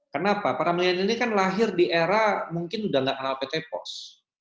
kenapa para milenial ini kan lahir di era mungkin udah gak kenal pt pos